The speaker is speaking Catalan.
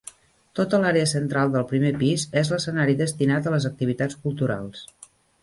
Tota l'àrea central del primer pis és l'escenari destinat a les activitats culturals.